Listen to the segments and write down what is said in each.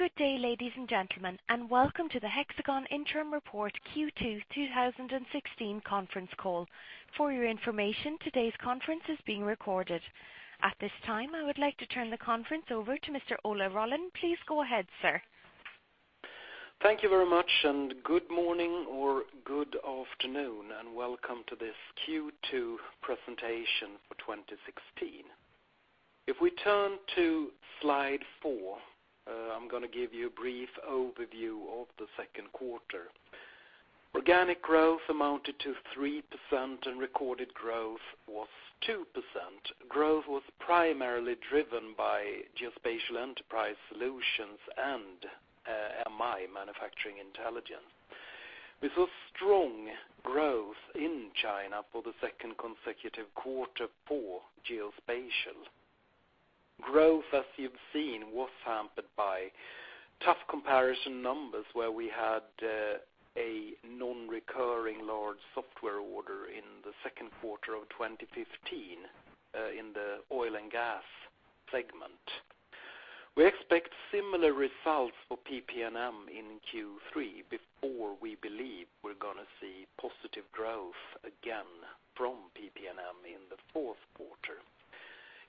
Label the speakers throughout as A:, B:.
A: Good day, ladies and gentlemen, and welcome to the Hexagon Interim Report Q2 2016 conference call. For your information, today's conference is being recorded. At this time, I would like to turn the conference over to Mr. Ola Rollén. Please go ahead, sir.
B: Thank you very much. Good morning or good afternoon, and welcome to this Q2 presentation for 2016. If we turn to slide four, I'm going to give you a brief overview of the second quarter. Organic growth amounted to 3%, and recorded growth was 2%. Growth was primarily driven by Geospatial Enterprise Solutions and MI, Manufacturing Intelligence. We saw strong growth in China for the second consecutive quarter for Geospatial. Growth, as you've seen, was hampered by tough comparison numbers where we had a non-recurring large software order in the second quarter of 2015 in the oil and gas segment. We expect similar results for PP&M in Q3 before we believe we're going to see positive growth again from PP&M in the fourth quarter.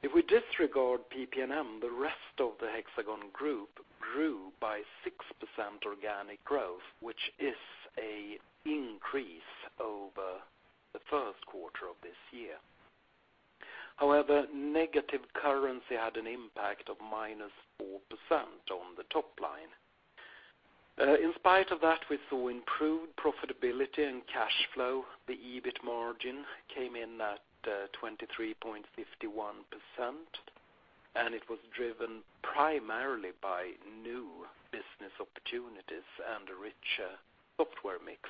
B: If we disregard PP&M, the rest of the Hexagon group grew by 6% organic growth, which is an increase over the first quarter of this year. Negative currency had an impact of minus 4% on the top line. In spite of that, we saw improved profitability and cash flow. The EBIT margin came in at 23.51%, and it was driven primarily by new business opportunities and a richer software mix.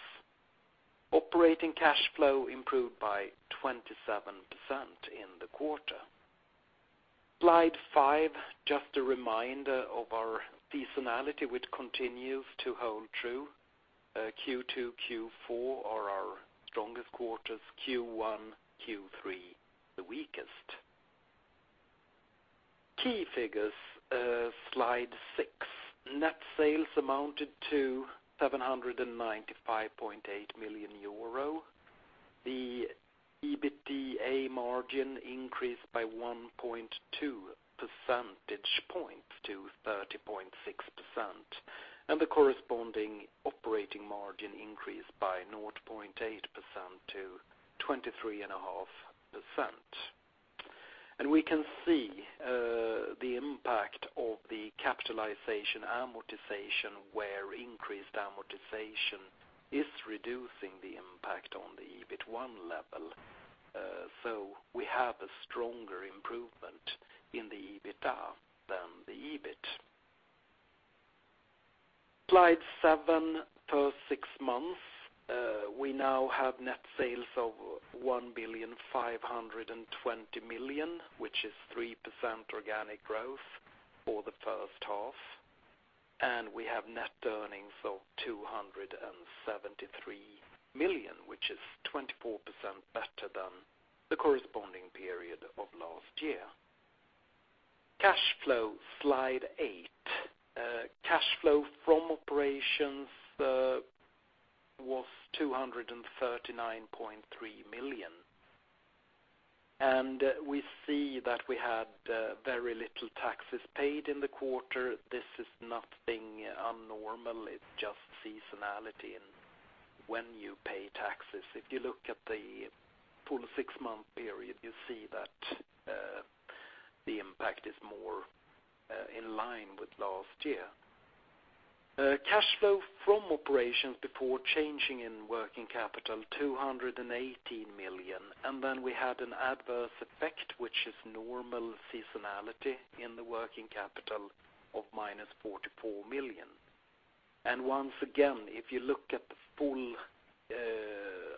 B: Operating cash flow improved by 27% in the quarter. Slide five, just a reminder of our seasonality, which continues to hold true. Q2, Q4 are our strongest quarters. Q1, Q3, the weakest. Key figures, slide six. Net sales amounted to 795.8 million euro. The EBITDA margin increased by 1.2 percentage points to 30.6%, and the corresponding operating margin increased by 0.8% to 23.5%. We can see the impact of the capitalization amortization where increased amortization is reducing the impact on the EBIT1 level. We have a stronger improvement in the EBITDA than the EBIT. Slide seven, first six months, we now have net sales of 1.52 billion, which is 3% organic growth for the first half. We have net earnings of 273 million, which is 24% better than the corresponding period of last year. Cash flow, slide eight. Cash flow from operations was 239.3 million. We see that we had very little taxes paid in the quarter. This is nothing unnormal. It's just seasonality in when you pay taxes. If you look at the full six-month period, you see that the impact is more in line with last year. Cash flow from operations before changing in working capital, 218 million. We had an adverse effect, which is normal seasonality in the working capital of minus 44 million. Once again, if you look at the full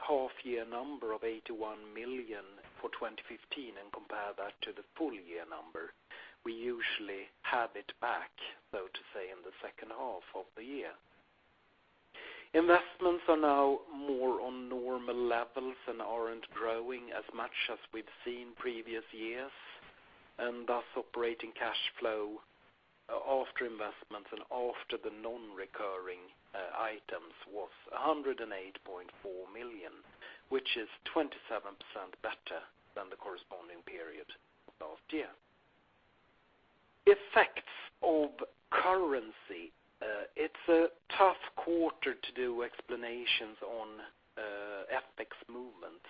B: half-year number of 81 million for 2015 and compare that to the full-year number, we usually have it back, so to say, in the second half of the year. Investments are now more on normal levels and aren't growing as much as we've seen previous years. Thus operating cash flow after investments and after the non-recurring items was 108.4 million, which is 27% better than the corresponding period last year. Effects of currency. It's a tough quarter to do explanations on FX movements.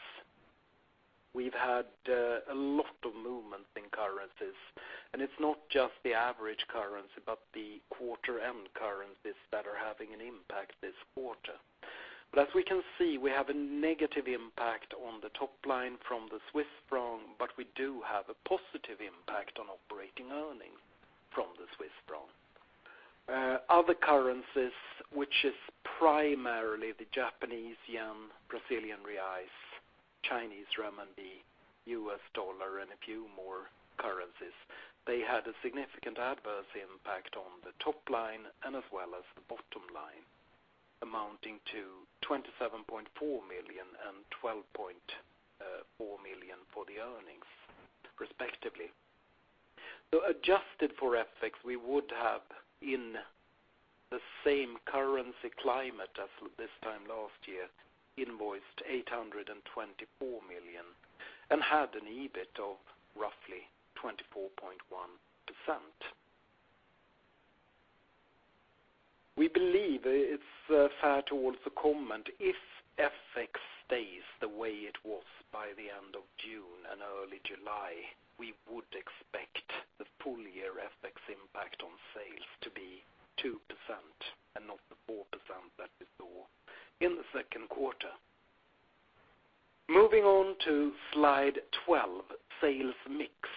B: We've had a lot of movement in currencies, and it's not just the average currency, but the quarter-end currencies that are having an impact this quarter. As we can see, we have a negative impact on the top line from the Swiss franc, but we do have a positive impact on operating earnings from the Swiss franc. Other currencies, which is primarily the Japanese yen, Brazilian reais, Chinese renminbi, US dollar, and a few more currencies, they had a significant adverse impact on the top line and as well as the bottom line. Amounting to 27.4 million and 12.4 million for the earnings respectively. Adjusted for FX, we would have, in the same currency climate as this time last year, invoiced 824 million and had an EBIT of roughly 24.1%. We believe it's fair towards the comment, if FX stays the way it was by the end of June and early July, we would expect the full year FX impact on sales to be 2% and not the 4% that we saw in the second quarter. Moving on to slide 12, sales mix.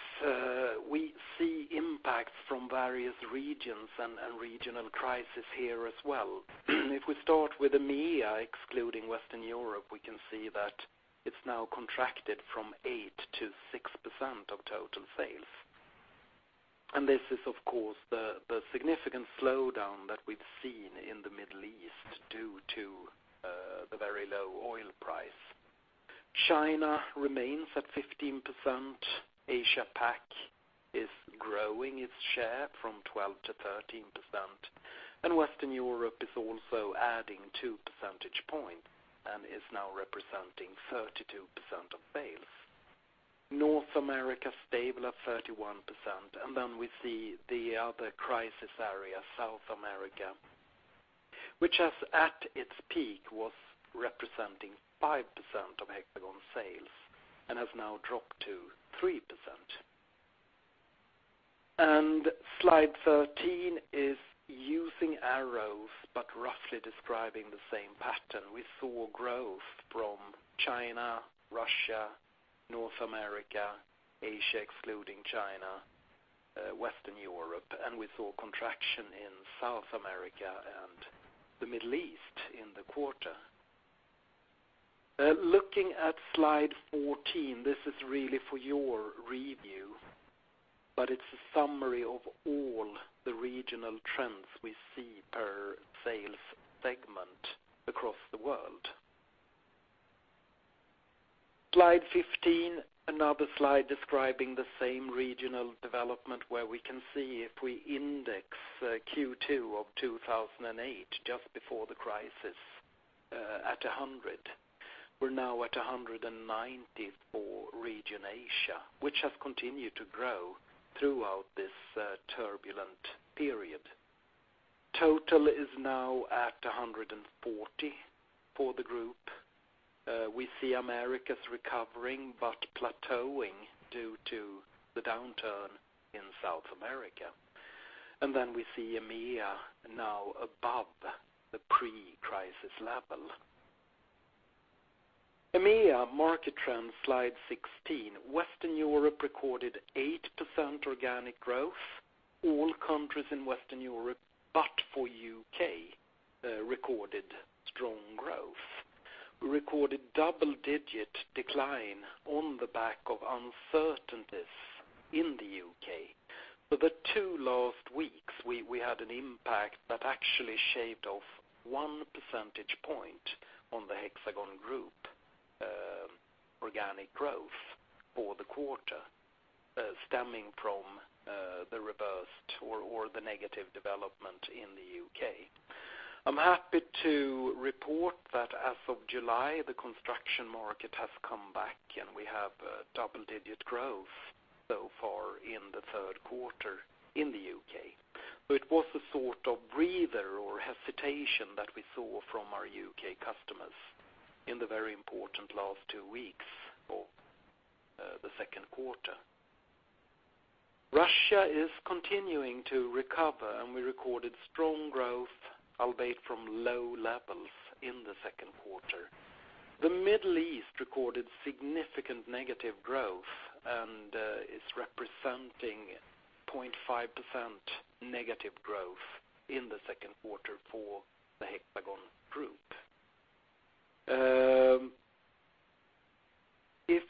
B: We see impacts from various regions and regional crisis here as well. If we start with EMEA, excluding Western Europe, we can see that it's now contracted from 8% to 6% of total sales. This is, of course, the significant slowdown that we've seen in the Middle East due to the very low oil price. China remains at 15%. Asia PAC is growing its share from 12% to 13%, and Western Europe is also adding two percentage points and is now representing 32% of sales. North America, stable at 31%. We see the other crisis area, South America, which at its peak was representing 5% of Hexagon sales and has now dropped to 3%. Slide 13 is using arrows, but roughly describing the same pattern. We saw growth from China, Russia, North America, Asia excluding China, Western Europe, and we saw contraction in South America and the Middle East in the quarter. Looking at slide 14, this is really for your review, but it's a summary of all the regional trends we see per sales segment across the world. Slide 15, another slide describing the same regional development where we can see if we index Q2 of 2008, just before the crisis, at 100. We're now at 190 for region Asia, which has continued to grow throughout this turbulent period. Total is now at 140 for the group. We see Americas recovering, but plateauing due to the downturn in South America. We see EMEA now above the pre-crisis level. EMEA market trends, slide 16. Western Europe recorded 8% organic growth. All countries in Western Europe, but for U.K., recorded strong growth. We recorded double-digit decline on the back of uncertainties in the U.K. For the two last weeks, we had an impact that actually shaved off one percentage point on the Hexagon Group organic growth for the quarter stemming from the reverse or the negative development in the U.K. I am happy to report that as of July, the construction market has come back, and we have double-digit growth so far in the third quarter in the U.K. It was a sort of breather or hesitation that we saw from our U.K. customers in the very important last two weeks of the second quarter. Russia is continuing to recover. We recorded strong growth, albeit from low levels in the second quarter. The Middle East recorded significant negative growth and is representing 0.5% negative growth in the second quarter for the Hexagon Group.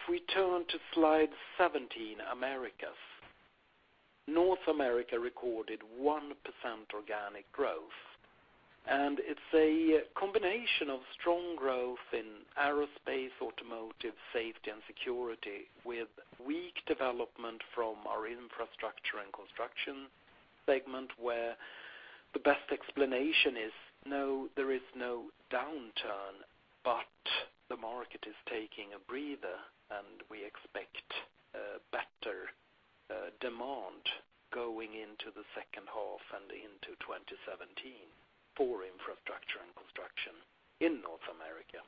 B: We turn to slide 17, Americas. North America recorded 1% organic growth. It is a combination of strong growth in aerospace, automotive, safety, and security with weak development from our infrastructure and construction segment, where the best explanation is there is no downturn, but the market is taking a breather, and we expect better demand going into the second half and into 2017 for infrastructure and construction in North America.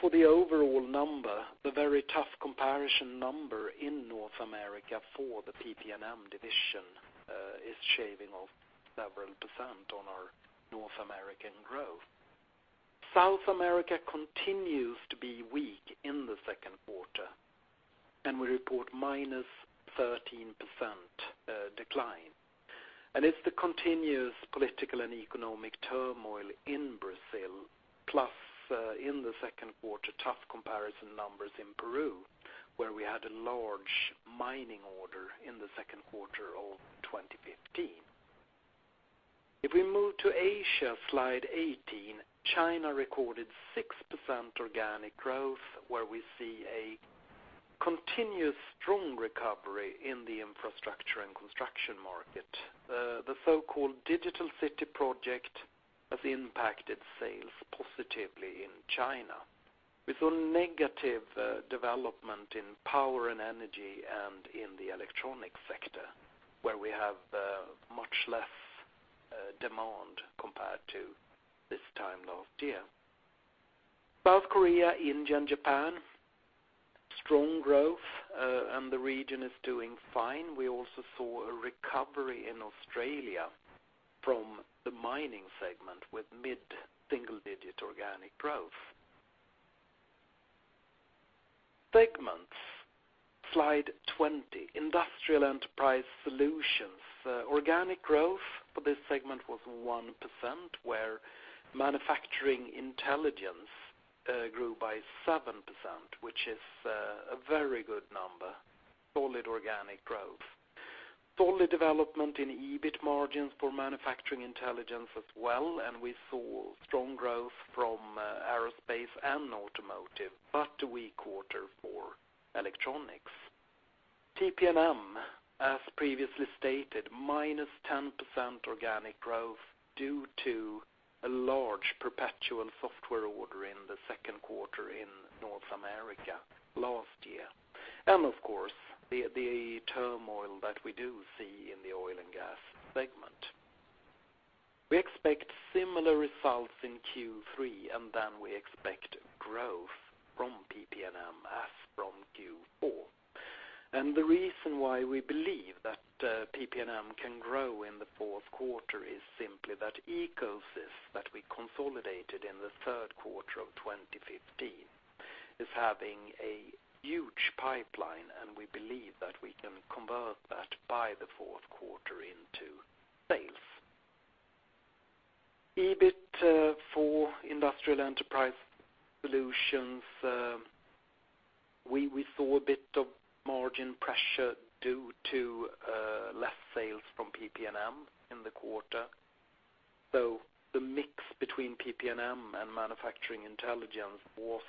B: For the overall number, the very tough comparison number in North America for the PP&M division is shaving off several percent on our North American growth. South America continues to be weak in the second quarter. We report -13% decline. It is the continuous political and economic turmoil in Brazil. Plus, in the second quarter, tough comparison numbers in Peru, where we had a large mining order in the second quarter of 2015. We move to Asia, slide 18, China recorded 6% organic growth, where we see a continuous strong recovery in the infrastructure and construction market. The so-called Digital City Project has impacted sales positively in China. We saw negative development in power and energy and in the electronic sector, where we have much less demand compared to this time last year. South Korea, India, and Japan, strong growth. The region is doing fine. We also saw a recovery in Australia from the mining segment with mid-single-digit organic growth. Segments, slide 20. Industrial Enterprise Solutions. Organic growth for this segment was 1%, where Manufacturing Intelligence grew by 7%, which is a very good number. Solid organic growth. Solid development in EBIT margins for Manufacturing Intelligence as well. We saw strong growth from aerospace and automotive, but a weak quarter for electronics. PP&M, as previously stated, -10% organic growth due to a large perpetual software order in the second quarter in North America last year. Of course, the turmoil that we do see in the oil and gas segment. We expect similar results in Q3. We expect growth from PP&M as from Q4. The reason why we believe that PP&M can grow in the fourth quarter is simply that EcoSys that we consolidated in the third quarter of 2015 is having a huge pipeline, and we believe that we can convert that by the fourth quarter into sales. EBIT for Industrial Enterprise Solutions, we saw a bit of margin pressure due to less sales from PP&M in the quarter. The mix between PP&M and Manufacturing Intelligence was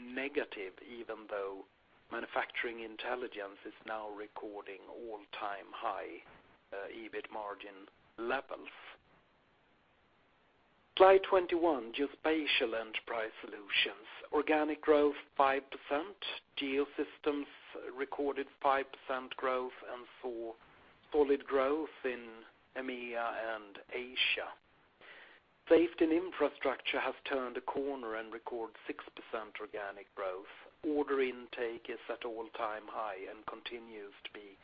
B: negative, even though Manufacturing Intelligence is now recording all-time high EBIT margin levels. Slide 21, Geospatial Enterprise Solutions. Organic growth, 5%. Geosystems recorded 5% growth and saw solid growth in EMEA and Asia. Safety & Infrastructure has turned a corner and record 6% organic growth. Order intake is at all-time high and continues to be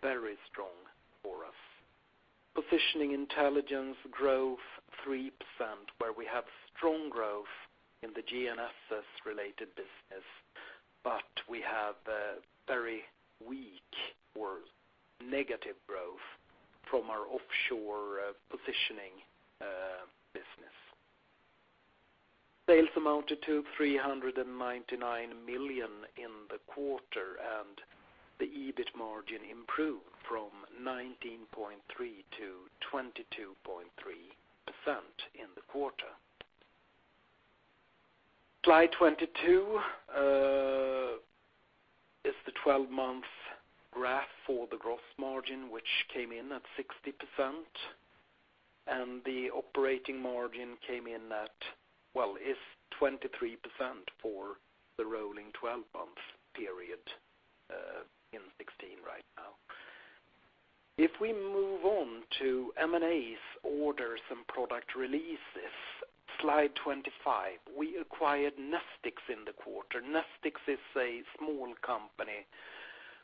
B: very strong for us. Positioning Intelligence growth 3%, where we have strong growth in the GNSS-related business, but we have very weak or negative growth from our offshore positioning business. Sales amounted to 399 million in the quarter, and the EBIT margin improved from 19.3% to 22.3% in the quarter. Slide 22 is the 12-month graph for the gross margin, which came in at 60%, and the operating margin is 23% for the rolling 12 months period in 2016 right now. We move on to M&As, orders, and product releases, slide 25. We acquired NESTIX in the quarter. NESTIX is a small company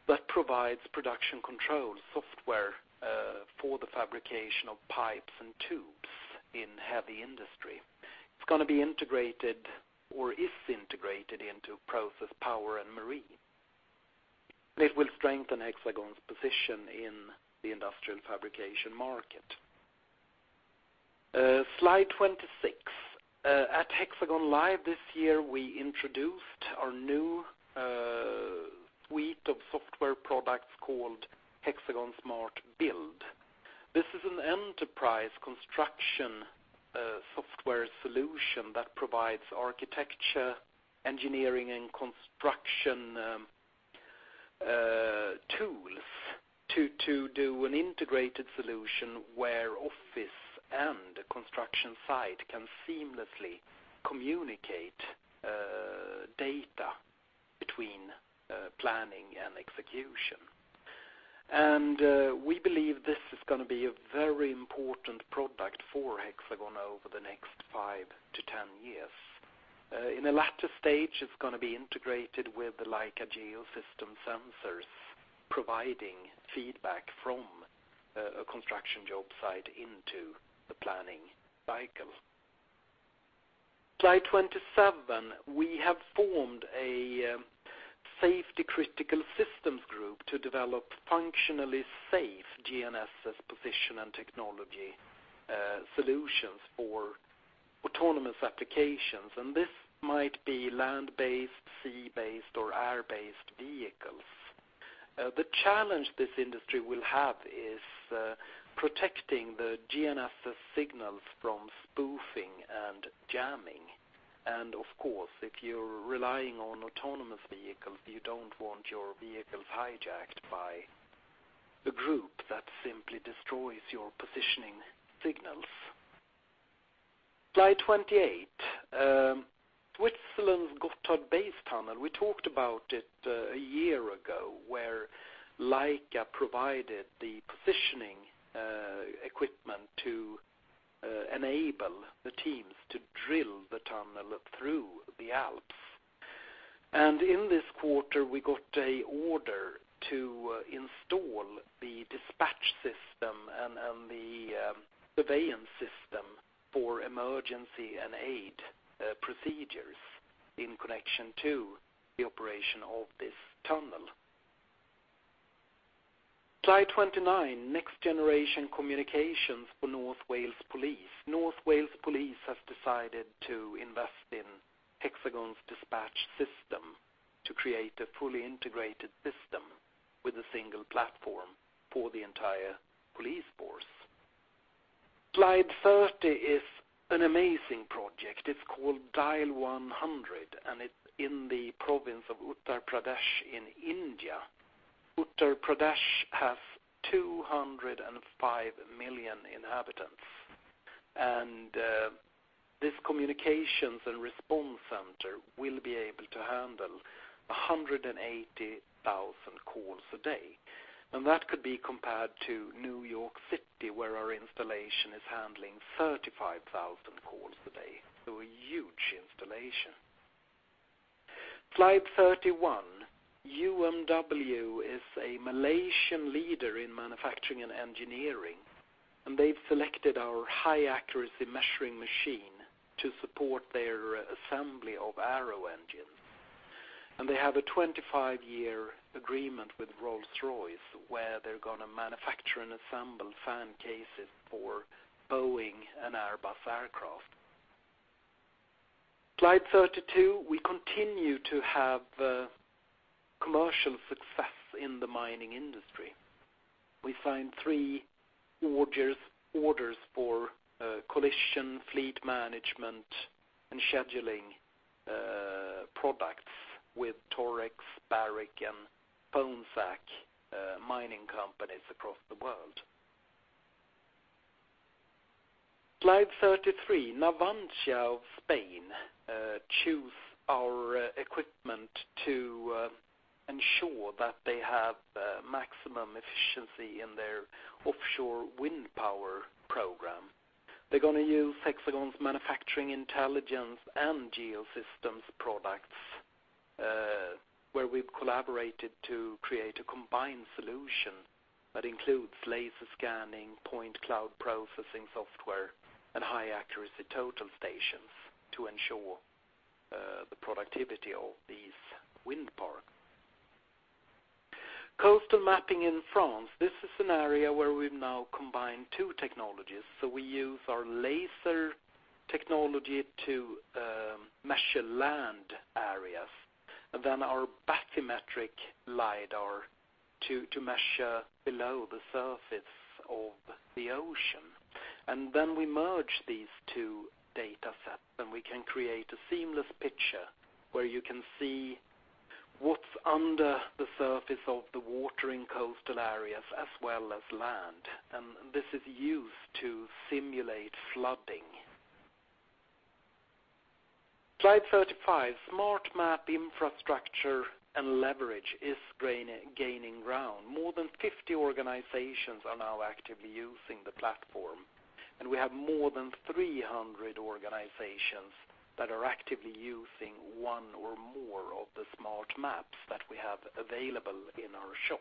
B: that provides production control software for the fabrication of pipes and tubes in heavy industry. It's going to be integrated or is integrated into Process, Power & Marine. This will strengthen Hexagon's position in the industrial fabrication market. Slide 26. At HxGN LIVE this year, we introduced our new suite of software products called HxGN SMART Build. This is an enterprise construction software solution that provides architecture, engineering, and construction tools to do an integrated solution where office and construction site can seamlessly communicate data between planning and execution. We believe this is going to be a very important product for Hexagon over the next 5-10 years. In a latter stage, it's going to be integrated with the Leica Geosystems sensors, providing feedback from a construction job site into the planning cycle. Slide 27. We have formed a Safety Critical Systems Group to develop functionally safe GNSS position and technology solutions for autonomous applications. This might be land-based, sea-based, or air-based vehicles. The challenge this industry will have is protecting the GNSS signals from spoofing and jamming. Of course, if you're relying on autonomous vehicles, you don't want your vehicles hijacked by a group that simply destroys your positioning signals. Slide 28. Switzerland's Gotthard Base Tunnel. We talked about it a year ago, where Leica provided the positioning equipment to enable the teams to drill the tunnel through the Alps. In this quarter, we got a order to install the dispatch system and the surveillance system for emergency and aid procedures in connection to the operation of this tunnel. Slide 29. Next generation communications for North Wales Police. North Wales Police has decided to invest in Hexagon's dispatch system to create a fully integrated system with a single platform for the entire police force. Slide 30 is an amazing project. It's called Dial 100. It's in the province of Uttar Pradesh in India. Uttar Pradesh has 205 million inhabitants, and this communications and response center will be able to handle 180,000 calls a day. That could be compared to New York City, where our installation is handling 35,000 calls a day. A huge installation. Slide 31. UMW is a Malaysian leader in manufacturing and engineering, they've selected our high accuracy measuring machine to support their assembly of Aero Engines. They have a 25-year agreement with Rolls-Royce, where they're going to manufacture and assemble fan cases for Boeing and Airbus aircraft. Slide 32. We continue to have commercial success in the mining industry. We signed three orders for collision, fleet management, and scheduling products with Torex, Barrick, and Gold mining companies across the world. Slide 33. Navantia of Spain choose our equipment to ensure that they have maximum efficiency in their offshore wind power program. They're going to use Hexagon's Manufacturing Intelligence and Geosystems products, where we've collaborated to create a combined solution that includes laser scanning, point cloud processing software, and high accuracy total stations to ensure the productivity of these wind parks. Coastal mapping in France. This is an area where we've now combined two technologies. We use our laser technology to measure land areas, and then our bathymetric LIDAR to measure below the surface of the ocean. We merge these two data sets, and we can create a seamless picture where you can see what's under the surface of the water in coastal areas as well as land. This is used to simulate flooding. Slide 35. Smart M.App infrastructure and leverage is gaining ground. More than 50 organizations are now actively using the platform, and we have more than 300 organizations that are actively using one or more of the Smart M.Apps that we have available in our shop.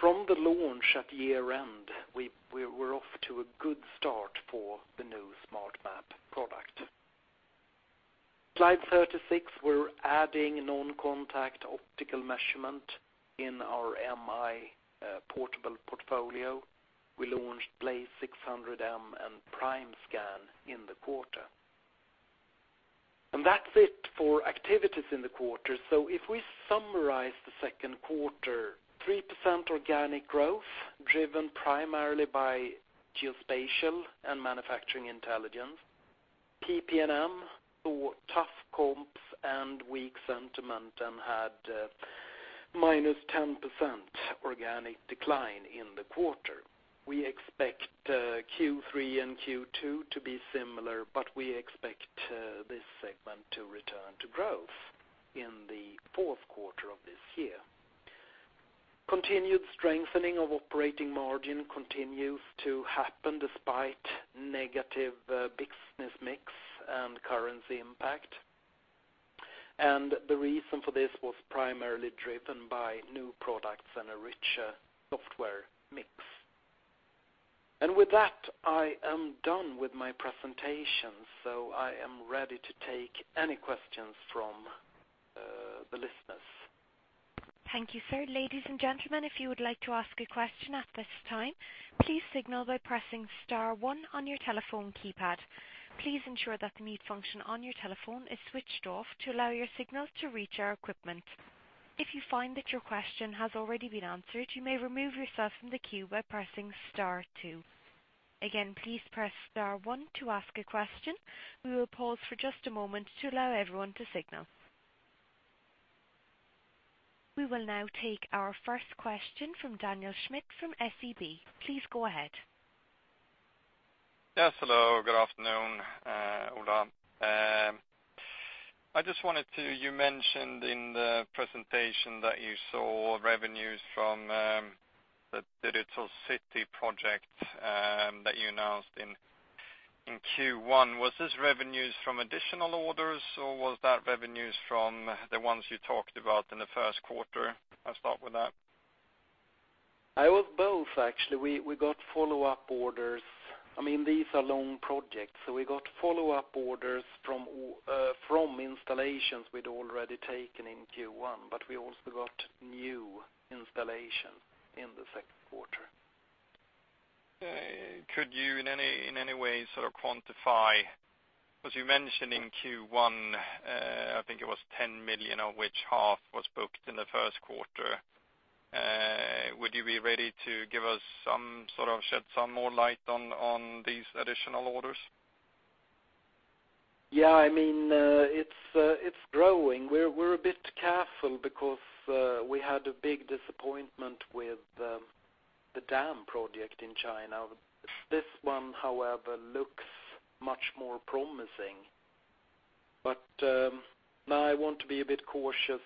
B: From the launch at year-end, we're off to a good start for the new Smart M.App product. Slide 36. We're adding non-contact optical measurement in our MI portable portfolio. We launched BLAZE 600M and PrimeScan in the quarter. That's it for activities in the quarter. If we summarize the second quarter, 3% organic growth driven primarily by Geospatial and Manufacturing Intelligence. PP&M saw tough comps and weak sentiment and had minus 10% organic decline in the quarter. We expect Q3 and Q2 to be similar, but we expect this segment to return to growth in the fourth quarter of this year. Continued strengthening of operating margin continues to happen despite negative business mix and currency impact. The reason for this was primarily driven by new products and a richer software mix. With that, I am done with my presentation, so I am ready to take any questions from the listeners.
A: Thank you, sir. Ladies and gentlemen, if you would like to ask a question at this time, please signal by pressing star one on your telephone keypad. Please ensure that the mute function on your telephone is switched off to allow your signals to reach our equipment. If you find that your question has already been answered, you may remove yourself from the queue by pressing star two. Again, please press star one to ask a question. We will pause for just a moment to allow everyone to signal. We will now take our first question from [Daniel Schmidt] from SEB. Please go ahead.
C: Yes, hello. Good afternoon, Ola. You mentioned in the presentation that you saw revenues from the Digital City Project that you announced in Q1. Was this revenues from additional orders, or was that revenues from the ones you talked about in the first quarter? I'll start with that.
B: It was both, actually. We got follow-up orders. These are long projects, so we got follow-up orders from installations we'd already taken in Q1, but we also got new installation in the second quarter.
C: Could you, in any way, quantify, because you mentioned in Q1, I think it was 10 million, of which half was booked in the first quarter. Would you be ready to shed some more light on these additional orders?
B: Yeah. It's growing. We're a bit careful because we had a big disappointment with the dam project in China. This one, however, looks much more promising. No, I want to be a bit cautious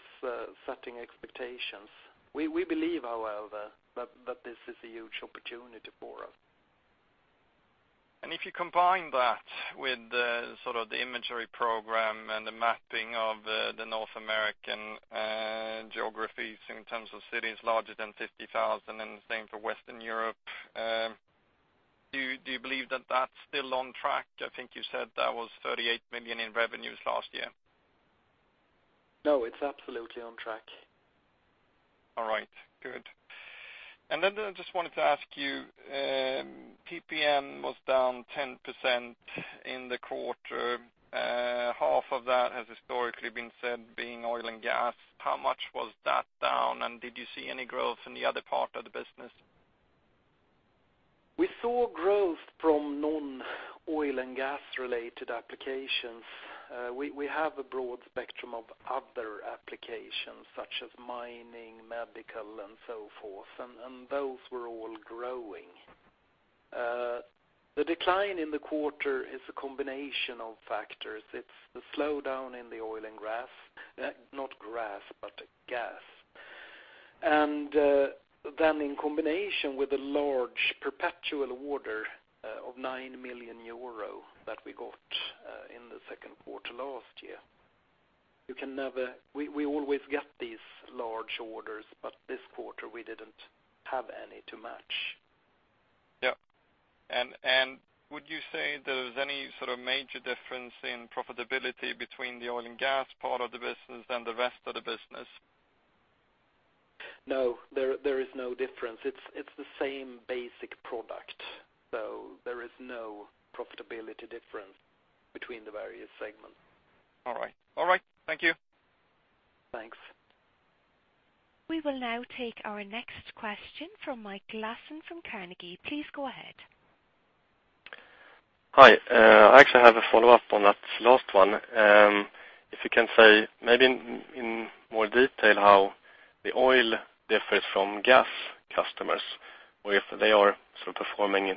B: setting expectations. We believe, however, that this is a huge opportunity for us.
C: If you combine that with the imagery program and the mapping of the North American geographies in terms of cities larger than 50,000, and the same for Western Europe, do you believe that that's still on track? I think you said that was 38 million in revenues last year.
B: No, it's absolutely on track.
C: All right, good. I just wanted to ask you, PP&M was down 10% in the quarter. Half of that has historically been said being oil and gas. How much was that down, and did you see any growth in the other part of the business?
B: We saw growth from non-oil and gas-related applications. We have a broad spectrum of other applications, such as mining, medical, and so forth, and those were all growing. The decline in the quarter is a combination of factors. It's the slowdown in the oil and gas. In combination with a large perpetual order of 9 million euro that we got in the second quarter last year. We always get these large orders, but this quarter we didn't have any to match.
C: Yeah. Would you say there's any sort of major difference in profitability between the oil and gas part of the business and the rest of the business?
B: No, there is no difference. It's the same basic product, so there is no profitability difference between the various segments.
C: All right. Thank you.
B: Thanks.
A: We will now take our next question from Mike Glasson from Carnegie. Please go ahead.
D: Hi. I actually have a follow-up on that last one. If you can say, maybe in more detail, how the oil differs from gas customers or if they are still performing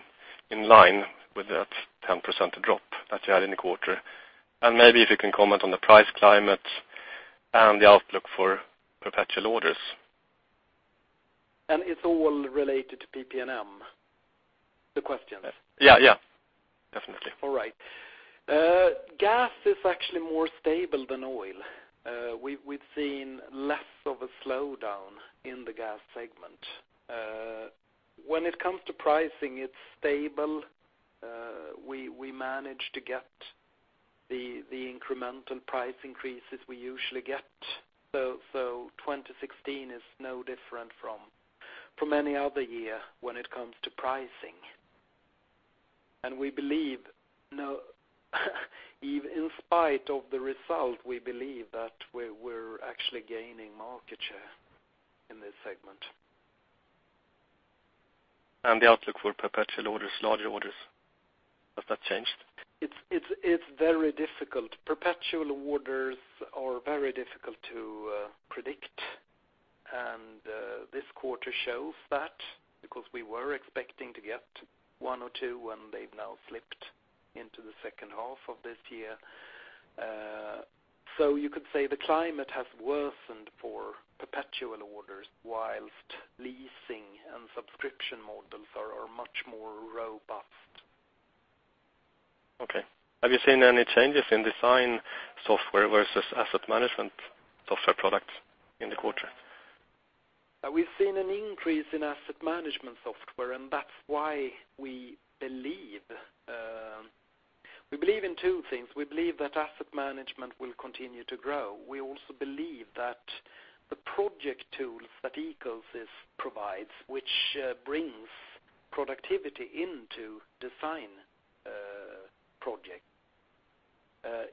D: in line with that 10% drop that you had in the quarter. Maybe if you can comment on the price climate and the outlook for perpetual orders.
B: It's all related to PP&M, the questions?
D: Yeah. Definitely.
B: All right. Gas is actually more stable than oil. We've seen less of a slowdown in the gas segment. When it comes to pricing, it's stable. We managed to get the incremental price increases we usually get. 2016 is no different from any other year when it comes to pricing. In spite of the result, we believe that we're actually gaining market share in this segment.
D: The outlook for perpetual orders, larger orders, has that changed?
B: It's very difficult. Perpetual orders are very difficult to predict, and this quarter shows that because we were expecting to get one or two, and they've now slipped into the second half of this year. You could say the climate has worsened for perpetual orders, whilst leasing and subscription models are much more robust
D: Okay. Have you seen any changes in design software versus asset management software products in the quarter?
B: We've seen an increase in asset management software, and that's why we believe in two things. We believe that asset management will continue to grow. We also believe that the project tools that EcoSys provides, which brings productivity into design project,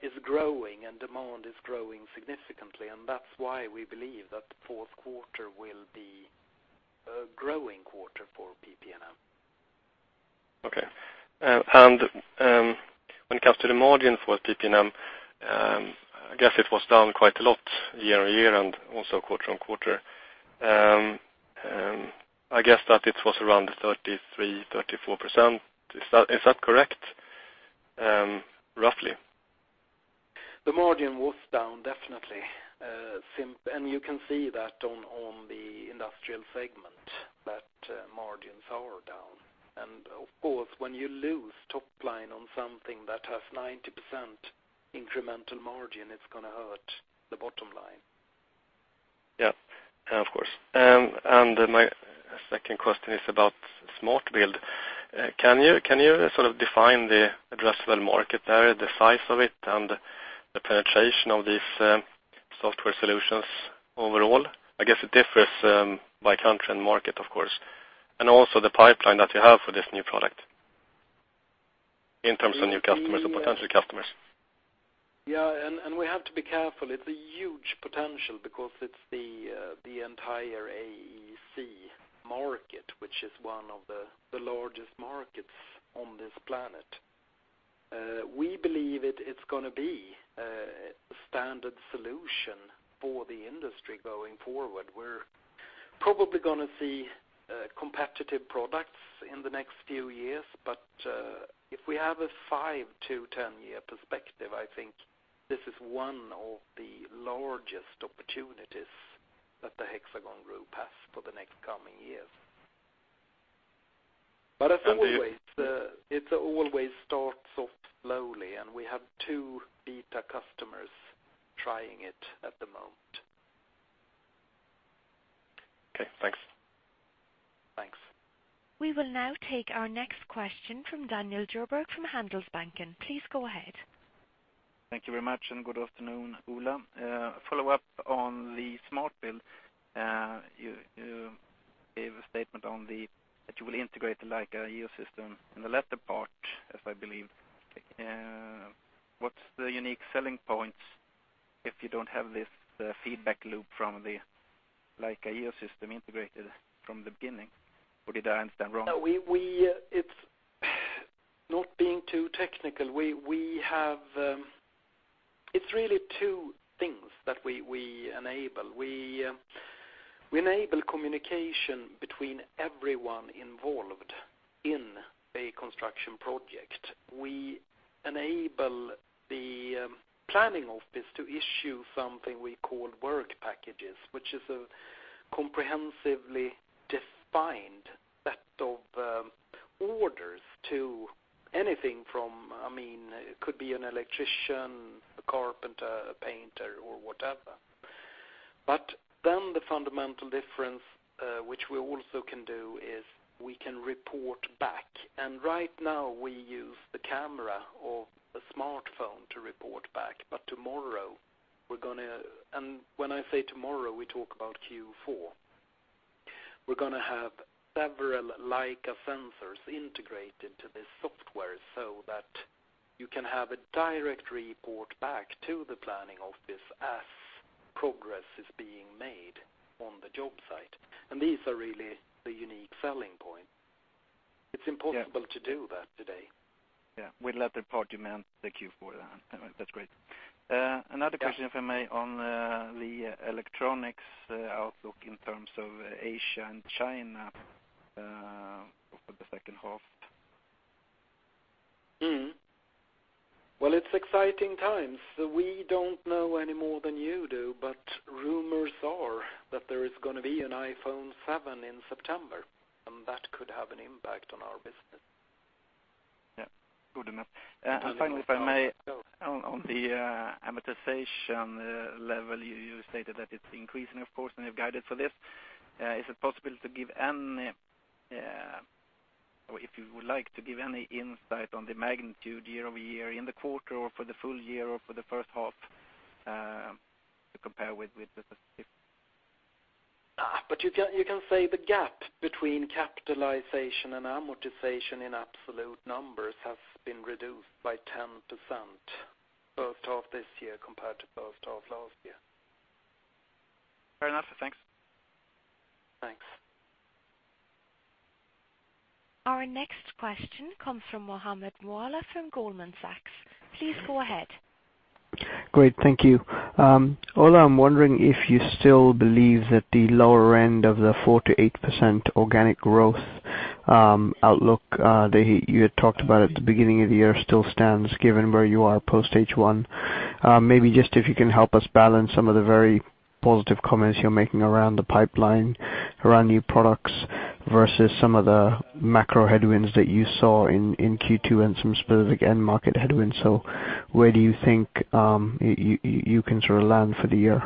B: is growing and demand is growing significantly, and that's why we believe that the fourth quarter will be a growing quarter for PP&M.
D: Okay. When it comes to the margin for PP&M, I guess it was down quite a lot year-over-year, and also quarter-over-quarter. I guess that it was around 33%-34%. Is that correct, roughly?
B: The margin was down, definitely. You can see that on the industrial segment, that margins are down. Of course, when you lose top line on something that has 90% incremental margin, it's going to hurt the bottom line.
D: Yeah. Of course. My second question is about Smart Build. Can you sort of define the addressable market there, the size of it, and the penetration of these software solutions overall? I guess it differs by country and market, of course, and also the pipeline that you have for this new product in terms of new customers or potential customers.
B: Yeah, we have to be careful. It's a huge potential because it's the entire AEC market, which is one of the largest markets on this planet. We believe it's going to be a standard solution for the industry going forward. We're probably going to see competitive products in the next few years, if we have a 5-10-year perspective, I think this is one of the largest opportunities that the Hexagon Group has for the next coming years. As always, it always starts off slowly, and we have two beta customers trying it at the moment.
D: Okay, thanks.
B: Thanks.
A: We will now take our next question from Daniel Djurberg from Handelsbanken. Please go ahead.
E: Thank you very much. Good afternoon, Ola. A follow-up on the Smart Build. You gave a statement that you will integrate the Leica ecosystem in the latter part, as I believe. What's the unique selling point if you don't have this feedback loop from the Leica ecosystem integrated from the beginning? Did I understand wrong?
B: Not being too technical, it's really two things that we enable. We enable communication between everyone involved in a construction project. We enable the planning office to issue something we call work packages, which is a comprehensively defined set of orders to anything from, it could be an electrician, a carpenter, a painter, or whatever. The fundamental difference, which we also can do, is we can report back, and right now we use the camera of a smartphone to report back. Tomorrow, and when I say tomorrow, we talk about Q4, we're going to have several Leica sensors integrated to this software so that you can have a direct report back to the planning office as progress is being made on the job site. These are really the unique selling point. It's impossible to do that today.
E: Yeah. With latter part, you meant the Q4 then. That's great. Another question, if I may, on the electronics outlook in terms of Asia and China for the second half.
B: Well, it's exciting times. We don't know any more than you do. Rumors are that there is going to be an iPhone 7 in September. That could have an impact on our business.
E: Yeah. Good enough. Finally, if I may, on the amortization level, you stated that it's increasing, of course. You've guided for this. Is it possible, or if you would like to give any insight on the magnitude year-over-year in the quarter or for the full year or for the first half to compare with the specific?
B: You can say the gap between capitalization and amortization in absolute numbers has been reduced by 10% first half of this year compared to first half of last year.
E: Fair enough. Thanks.
B: Thanks.
A: Our next question comes from Mohammed Moawalla from Goldman Sachs. Please go ahead.
F: Great. Thank you. Ola, I'm wondering if you still believe that the lower end of the 4%-8% organic growth outlook that you had talked about at the beginning of the year still stands given where you are post H1? Maybe just if you can help us balance some of the very positive comments you're making around the pipeline, around new products, versus some of the macro headwinds that you saw in Q2 and some specific end-market headwinds. Where do you think you can land for the year?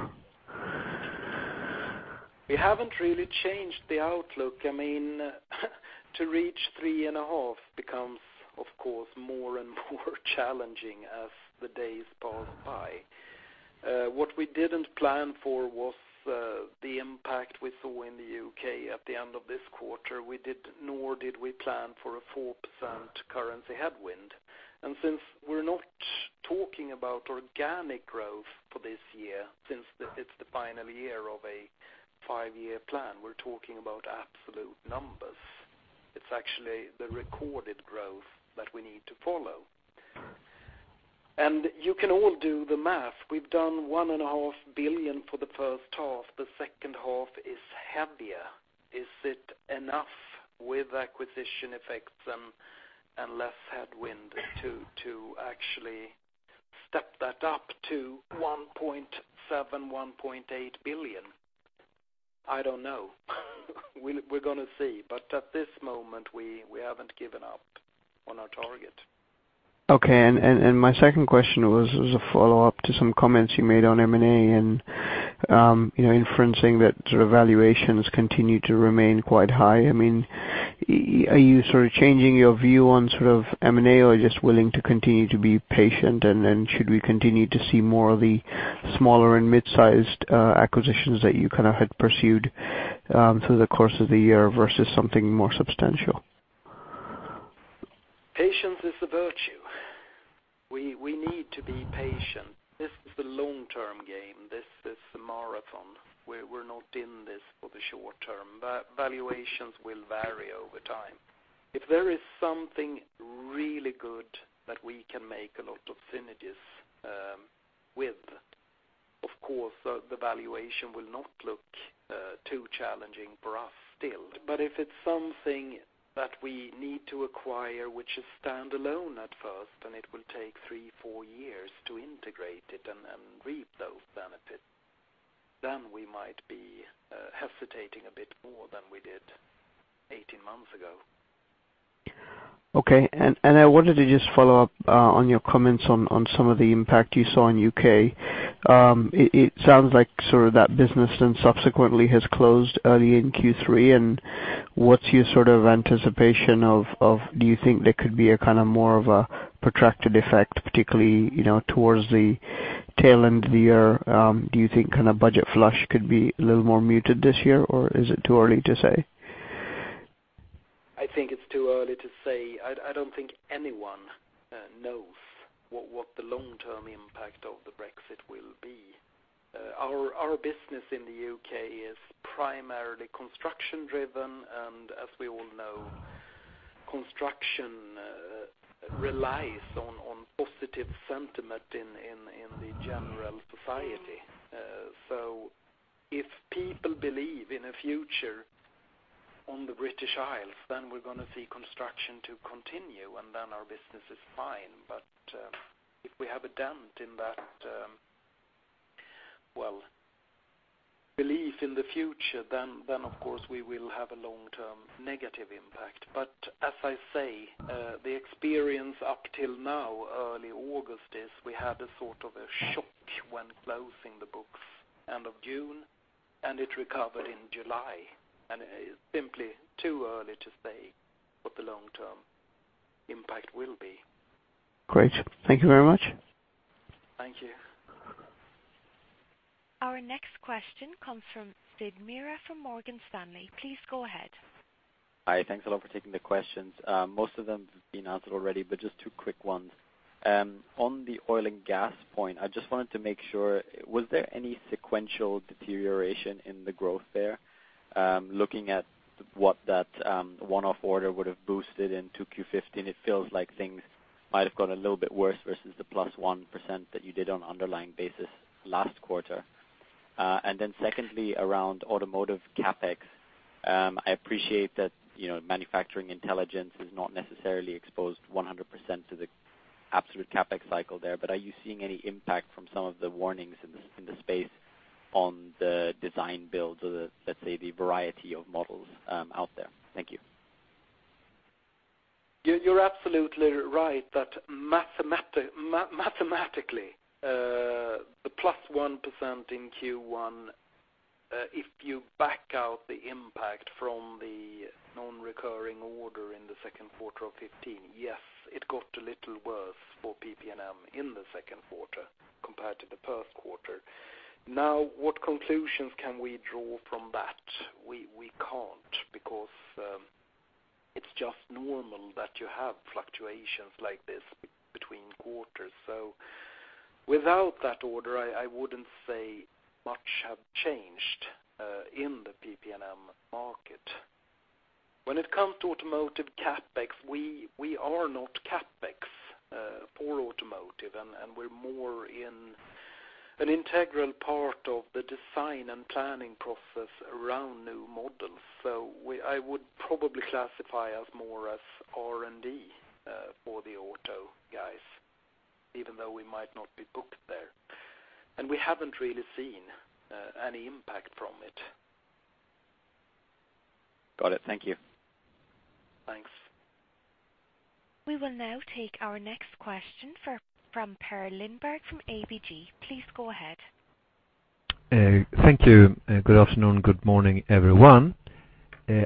B: We haven't really changed the outlook. To reach 3.5% becomes, of course, more and more challenging as the days pass by. What we didn't plan for was the impact we saw in the U.K. at the end of this quarter. Nor did we plan for a 4% currency headwind. Since we're not talking about organic growth for this year, since it's the final year of a five-year plan, we're talking about absolute numbers. It's actually the recorded growth that we need to follow.
F: Right.
B: You can all do the math. We've done 1.5 billion for the first half. The second half is heavier. Is it enough with acquisition effects and less headwind to actually step that up to 1.7 billion, 1.8 billion? I don't know. We're going to see. At this moment, we haven't given up on our target.
F: Okay. My second question was a follow-up to some comments you made on M&A and inferencing that valuations continue to remain quite high. Are you changing your view on M&A, or are you just willing to continue to be patient? Should we continue to see more of the smaller and mid-sized acquisitions that you had pursued through the course of the year versus something more substantial?
B: Patience is a virtue. We need to be patient. This is the long-term game. This is a marathon. We're not in this for the short term. Valuations will vary over time. If there is something really good that we can make a lot of synergies with, of course, the valuation will not look too challenging for us still. If it's something that we need to acquire, which is standalone at first, it will take three, four years to integrate it and reap those benefits. We might be hesitating a bit more than we did 18 months ago.
F: Okay. I wanted to just follow up on your comments on some of the impact you saw in U.K. It sounds like that business then subsequently has closed early in Q3. What's your anticipation of, do you think there could be a more of a protracted effect, particularly towards the tail end of the year? Do you think budget flush could be a little more muted this year, or is it too early to say?
B: I think it's too early to say. I don't think anyone knows what the long-term impact of the Brexit will be. Our business in the U.K. is primarily construction-driven, and as we all know, construction relies on positive sentiment in the general society. If people believe in a future on the British Isles, then we're going to see construction to continue, and then our business is fine. If we have a dent in that belief in the future, then of course we will have a long-term negative impact. As I say, the experience up till now, early August, is we had a sort of a shock when closing the books end of June, and it recovered in July, and it is simply too early to say what the long-term impact will be.
F: Great. Thank you very much.
B: Thank you.
A: Our next question comes from Sid Mira from Morgan Stanley. Please go ahead.
G: Hi. Thanks a lot for taking the questions. Most of them have been answered already, but just two quick ones. On the oil and gas point, I just wanted to make sure, was there any sequential deterioration in the growth there? Looking at what that one-off order would have boosted into Q15, it feels like things might have gone a little bit worse versus the +1% that you did on underlying basis last quarter. Secondly, around automotive CapEx. I appreciate that Manufacturing Intelligence is not necessarily exposed 100% to the absolute CapEx cycle there, but are you seeing any impact from some of the warnings in the space on the design builds or the, let's say, the variety of models out there? Thank you.
B: You're absolutely right that mathematically, the +1% in Q1, if you back out the impact from the non-recurring order in the second quarter of 2015, yes, it got a little worse for PP&M in the second quarter compared to the first quarter. What conclusions can we draw from that? We can't because it's just normal that you have fluctuations like this between quarters. Without that order, I wouldn't say much have changed in the PP&M market. When it comes to automotive CapEx, we are not CapEx for automotive, and we're more in an integral part of the design and planning process around new models. I would probably classify us more as R&D for the auto guys, even though we might not be booked there. We haven't really seen any impact from it.
G: Got it. Thank you.
B: Thanks.
A: We will now take our next question from Per Lindberg from ABG. Please go ahead.
H: Thank you. Good afternoon, good morning, everyone.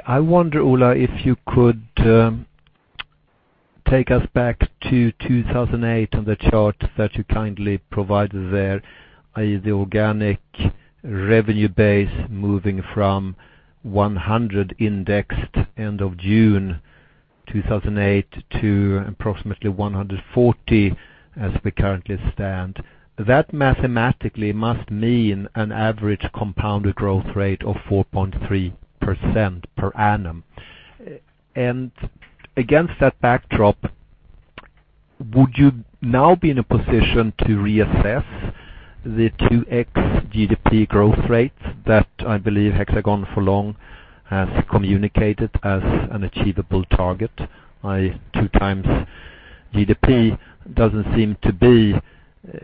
H: I wonder, Ola, if you could take us back to 2008 on the chart that you kindly provided there, i.e., the organic revenue base moving from 100 indexed end of June 2008 to approximately 140 as we currently stand. That mathematically must mean an average compounded growth rate of 4.3% per annum. Against that backdrop, would you now be in a position to reassess the 2X GDP growth rate that I believe Hexagon for long has communicated as an achievable target, i.e., two times GDP doesn't seem to be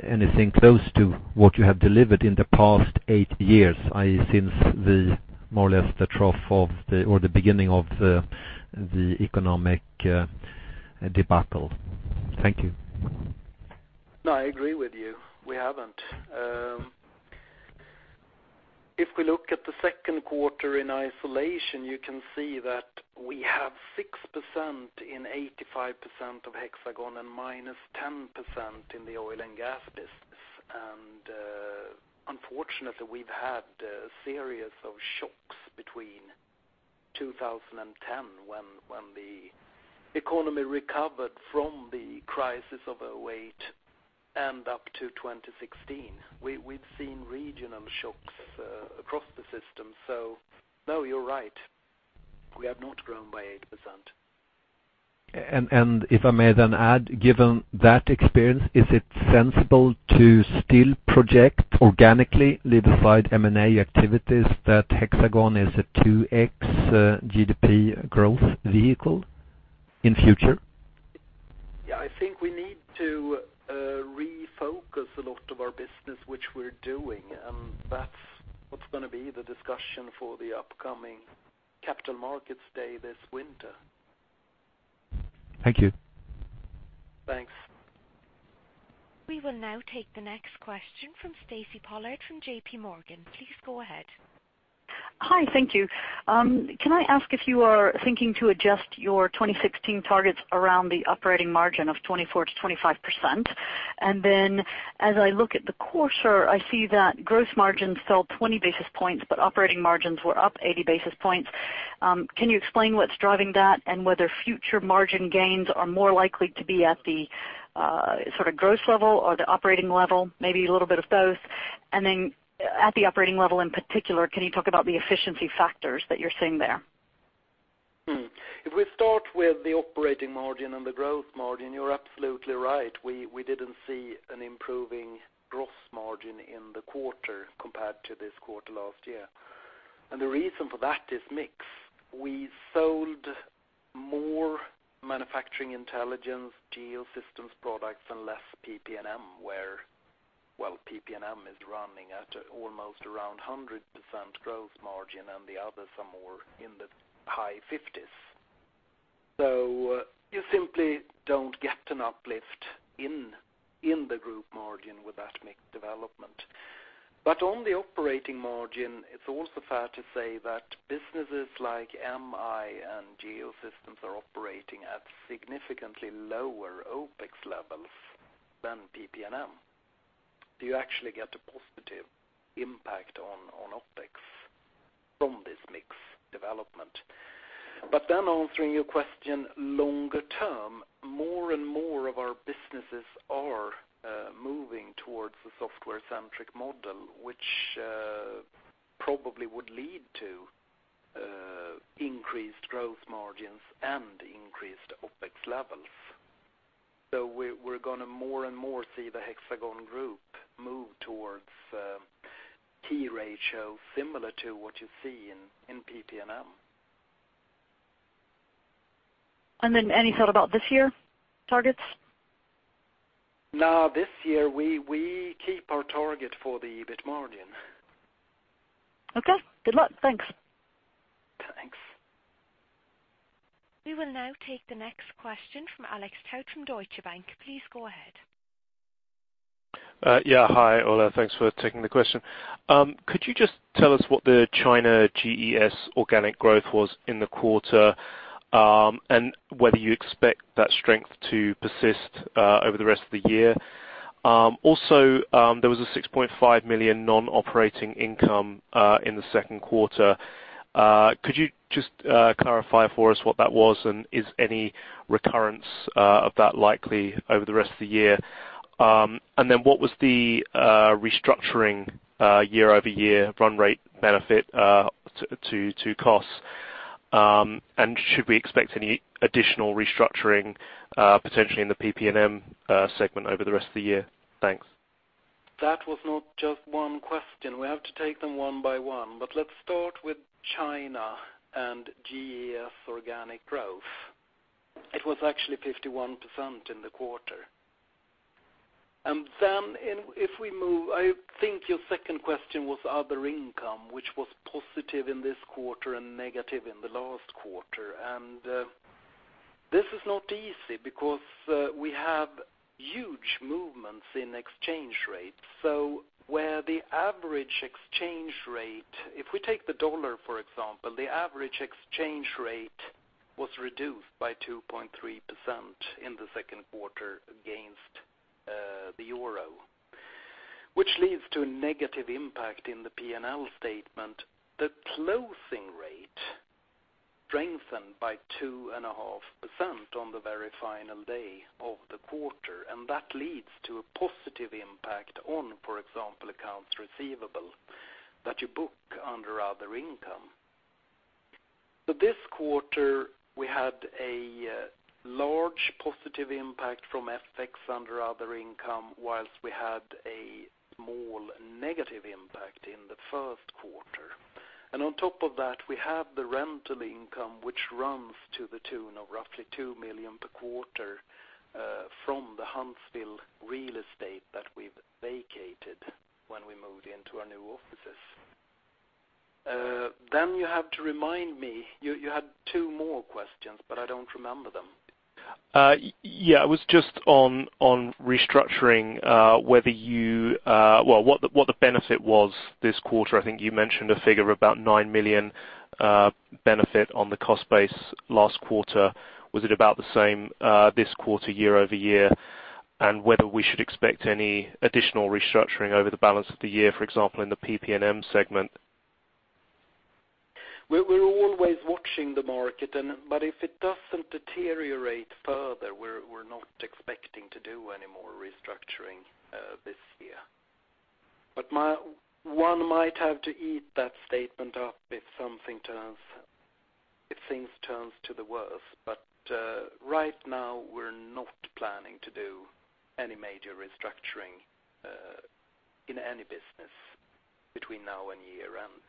H: anything close to what you have delivered in the past eight years, i.e., since the more or less the trough of the or the beginning of the economic debacle. Thank you.
B: No, I agree with you. We haven't. If we look at the second quarter in isolation, you can see that we have 6% in 85% of Hexagon and -10% in the oil and gas business. Unfortunately, we've had a series of shocks between 2010 when the economy recovered from the crisis of 2008 and up to 2016. We've seen regional shocks across the system. No, you're right. We have not grown by 8%.
H: If I may then add, given that experience, is it sensible to still project organically, leave aside M&A activities, that Hexagon is a 2X GDP growth vehicle in future?
B: Yeah. I think we need to refocus a lot of our business, which we're doing, that's what's going to be the discussion for the upcoming capital markets day this winter.
H: Thank you.
B: Thanks.
A: We will now take the next question from Stacy Pollard from JP Morgan. Please go ahead.
I: Hi, thank you. Can I ask if you are thinking to adjust your 2016 targets around the operating margin of 24%-25%? As I look at the quarter, I see that gross margins fell 20 basis points, but operating margins were up 80 basis points. Can you explain what's driving that and whether future margin gains are more likely to be at the sort of gross level or the operating level? Maybe a little bit of both. At the operating level in particular, can you talk about the efficiency factors that you're seeing there?
B: If we start with the operating margin and the gross margin, you're absolutely right. We didn't see an improving gross margin in the quarter compared to this quarter last year. The reason for that is mix. We sold more Manufacturing Intelligence, Geosystems products and less PP&M where, well, PP&M is running at almost around 100% gross margin and the others are more in the high 50s. You simply don't get an uplift in the group margin with that mix development. On the operating margin, it's also fair to say that businesses like MI and Geosystems are operating at significantly lower OPEX levels than PP&M. You actually get a positive impact on OPEX from this mix development. Answering your question longer term, more and more of our businesses are moving towards the software-centric model, which probably would lead to increased gross margins and increased OPEX levels. We're going to more and more see the Hexagon group move towards EBIT ratio similar to what you see in PP&M.
I: Any thought about this year targets?
B: No, this year we keep our target for the EBIT margin.
I: Okay. Good luck. Thanks.
B: Thanks.
A: We will now take the next question from Alex Tout from Deutsche Bank. Please go ahead.
J: Yeah. Hi, Ola. Thanks for taking the question. Could you just tell us what the China GES organic growth was in the quarter, and whether you expect that strength to persist over the rest of the year? There was a 6.5 million non-operating income in the second quarter. Could you just clarify for us what that was? Is any recurrence of that likely over the rest of the year? What was the restructuring year-over-year run rate benefit to costs? Should we expect any additional restructuring, potentially in the PP&M segment over the rest of the year? Thanks.
B: That was not just one question. We have to take them one by one. Let's start with China and GES organic growth. It was actually 51% in the quarter. If we move, I think your second question was other income, which was positive in this quarter and negative in the last quarter. This is not easy because we have huge movements in exchange rates. Where the average exchange rate, if we take the dollar, for example, the average exchange rate was reduced by 2.3% in the second quarter against the euro, which leads to a negative impact in the P&L statement. The closing rate strengthened by 2.5% on the very final day of the quarter. That leads to a positive impact on, for example, accounts receivable that you book under other income. This quarter, we had a large positive impact from FX under other income, whilst we had a small negative impact in the first quarter. On top of that, we have the rental income, which runs to the tune of roughly two million per quarter, from the Huntsville real estate that we've vacated when we moved into our new offices. You have to remind me, you had two more questions, but I don't remember them.
J: It was just on restructuring, what the benefit was this quarter. I think you mentioned a figure of about 9 million benefit on the cost base last quarter. Was it about the same this quarter, year-over-year? Whether we should expect any additional restructuring over the balance of the year, for example, in the PP&M segment.
B: We're always watching the market, if it doesn't deteriorate further, we're not expecting to do any more restructuring this year. One might have to eat that statement up if things turns to the worst. Right now, we're not planning to do any major restructuring, in any business between now and year-end.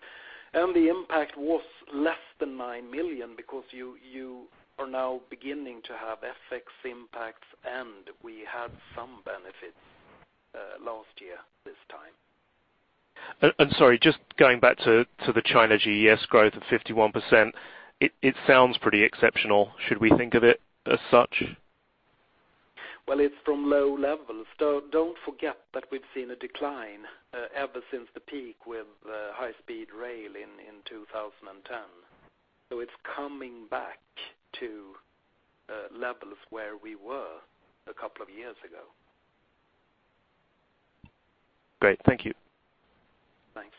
B: The impact was less than 9 million because you are now beginning to have FX impacts, and we had some benefits last year this time.
J: Sorry, just going back to the China GES growth of 51%, it sounds pretty exceptional. Should we think of it as such?
B: It's from low levels. Don't forget that we've seen a decline ever since the peak with high-speed rail in 2010. It's coming back to levels where we were a couple of years ago.
J: Great. Thank you.
B: Thanks.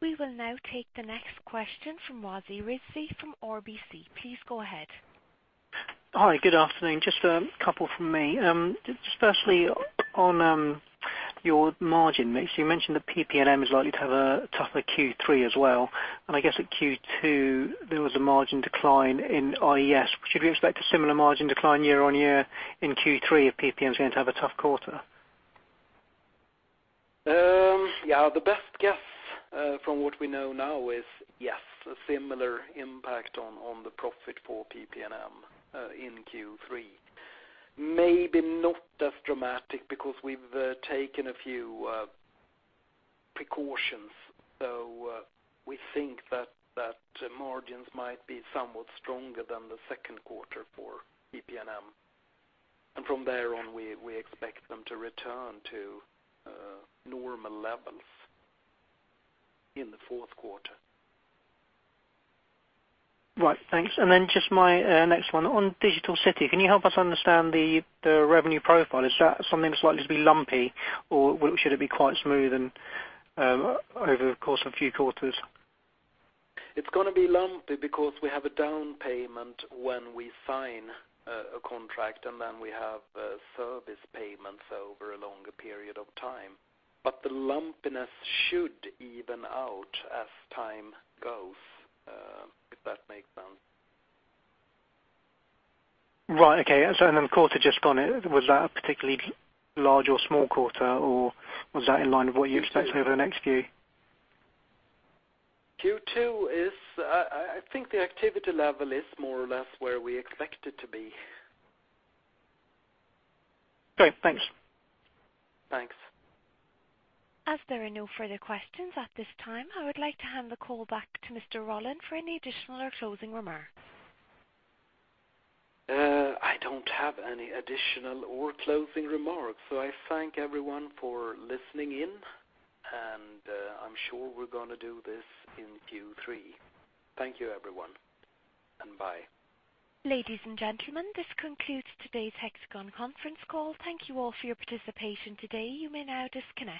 A: We will now take the next question from Wasi Rizvi from RBC. Please go ahead.
K: Hi. Good afternoon. Just a couple from me. Just firstly on your margin mix, you mentioned that PP&M is likely to have a tougher Q3 as well, and I guess at Q2, there was a margin decline in IES. Should we expect a similar margin decline year-on-year in Q3 if PP&M is going to have a tough quarter?
B: Yeah. The best guess from what we know now is, yes, a similar impact on the profit for PP&M in Q3. Maybe not as dramatic because we've taken a few precautions. We think that margins might be somewhat stronger than the second quarter for PP&M. From there on, we expect them to return to normal levels in the fourth quarter.
K: Right. Thanks. Just my next one on Digital City. Can you help us understand the revenue profile? Is that something that's likely to be lumpy, or should it be quite smooth over the course of a few quarters?
B: It's going to be lumpy because we have a down payment when we sign a contract, and then we have service payments over a longer period of time. The lumpiness should even out as time goes, if that makes sense.
K: Right. Okay. The quarter just gone, was that a particularly large or small quarter, or was that in line with what you expected over the next few?
B: Q2, I think the activity level is more or less where we expect it to be.
K: Great. Thanks.
B: Thanks.
A: As there are no further questions at this time, I would like to hand the call back to Mr. Rollén for any additional or closing remarks.
B: I don't have any additional or closing remarks, so I thank everyone for listening in, and I'm sure we're going to do this in Q3. Thank you everyone, and bye.
A: Ladies and gentlemen, this concludes today's Hexagon conference call. Thank you all for your participation today. You may now disconnect.